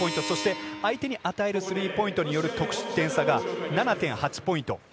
そして、相手に与えるスリーポイントによる得失点差が７．８ポイント